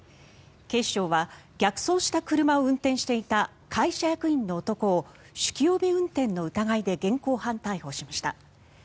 警視庁は逆走した車を運転していた会社役員の男を酒気帯び運転の疑いで現行犯逮捕しました。